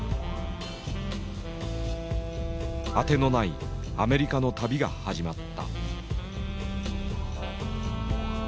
当てのないアメリカの旅が始まった。